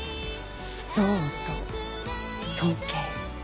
憎悪と尊敬。